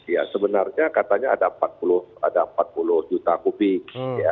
ya sebenarnya katanya ada empat puluh juta kubik